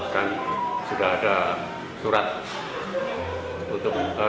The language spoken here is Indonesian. dan sudah ada surat untuk pembukaan